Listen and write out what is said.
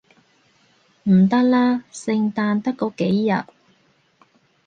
唔得啦，聖誕得嗰幾日